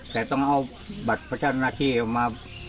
แต่ต้องเอาบัตรพระเจ้าหน้าที่ออกมา